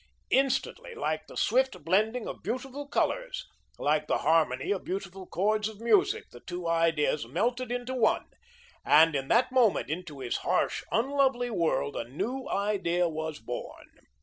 Instantly, like the swift blending of beautiful colours, like the harmony of beautiful chords of music, the two ideas melted into one, and in that moment into his harsh, unlovely world a new idea was born.